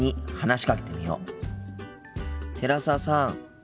寺澤さん。